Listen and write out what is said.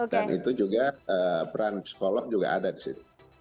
dan itu juga peran psikolog juga ada disitu